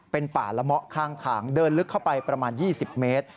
เป็นป่าละเมาะข้างทางเดินลึกเข้าไปประมาณ๒๐เมตร